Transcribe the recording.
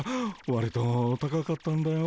わりと高かったんだよ。